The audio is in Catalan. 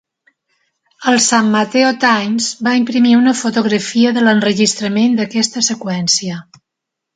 El "San Mateo Times" va imprimir una fotografia de l'enregistrament d'aquesta seqüència.